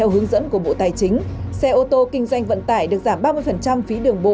hướng dẫn của bộ tài chính xe ô tô kinh doanh vận tải được giảm ba mươi phí đường bộ